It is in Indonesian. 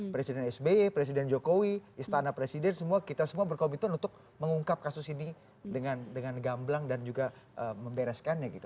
presiden sby presiden jokowi istana presiden semua kita semua berkomitmen untuk mengungkap kasus ini dengan gamblang dan juga membereskannya gitu